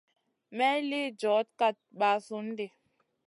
May lï djoda kat basoun ɗi.